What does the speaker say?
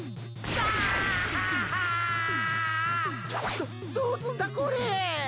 ど、どうすんだ、これ！